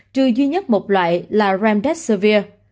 trừ duy nhất một loại là remdesivir